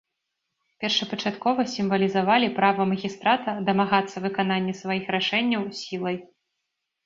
Першапачаткова сімвалізавалі права магістрата дамагацца выканання сваіх рашэнняў сілай.